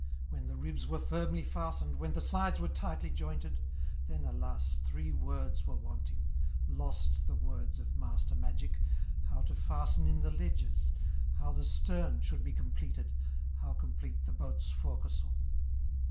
When the ribs were firmly fastened, When the sides were tightly jointed, Then alas! three words were wanting, Lost the words of master magic, How to fasten in the ledges, How the stern should be completed, How complete the boat's forecastle.